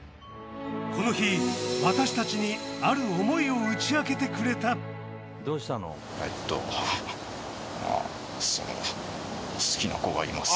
この日私たちにある想いを打ち明けてくれたえっとまあその。